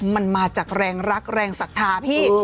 มันมาจากแรงรักแรงศรัทธาพี่